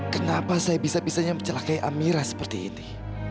kenapa saya bisa bisanya mencelakai amira seperti ini